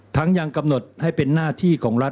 ยังกำหนดให้เป็นหน้าที่ของรัฐ